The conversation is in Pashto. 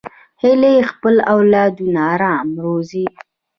هیلۍ خپل اولادونه آرام روزي